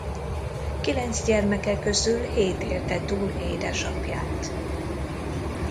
Kilenc gyermeke közül hét élte túl édesapját.